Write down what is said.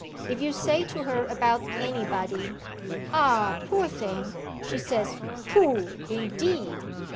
If you say to her about anybody, "Ah, poor thing!" she says, "Pooh! indeed!"